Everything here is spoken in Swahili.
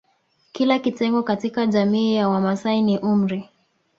Kila kitengo katika jamiii ya Wamasai ni umri